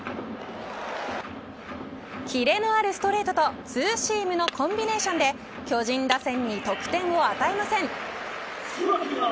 キレのあるストレートとツーシームのコンビネーションで巨人打線に得点を与えません。